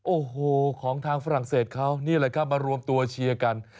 โอ้โหของทางฝรั่งเศสเขานี่แหละครับมารวมตัวเชียร์กัน